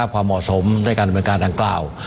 ความเหมาะสมด้วยการบริการดังกล้าว